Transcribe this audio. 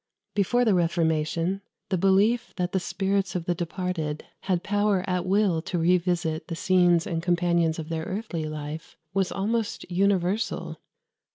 Before the Reformation, the belief that the spirits of the departed had power at will to revisit the scenes and companions of their earthly life was almost universal.